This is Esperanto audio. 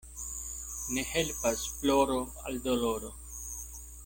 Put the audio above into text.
Ne helpas ploro al doloro.